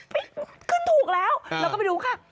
ผิดขึ้นถูกแล้วแล้วก็ไปดูค่ะ